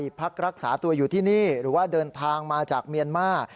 พักรักษาตัวอยู่ที่นี่หรือว่าเดินทางมาจากเมียนมาร์